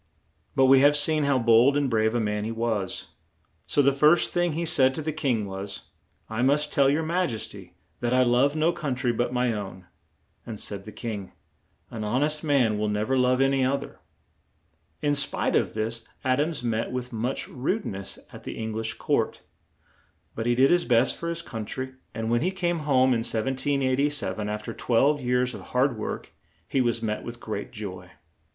] But we have seen how bold and brave a man he was, so the first thing he said to the king was: "I must tell your Maj es ty that I love no coun try but my own"; and said the king: "An hon est man will nev er love an y oth er." In spite of this, Ad ams met with much rude ness at the Eng lish court; but he did his best for his coun try, and when he came home in 1787, af ter twelve years of hard work, he was met with great joy.